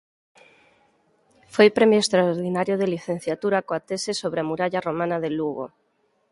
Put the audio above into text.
Foi Premio Extraordinario de Licenciatura coa Tese sobre a Muralla Romana de Lugo.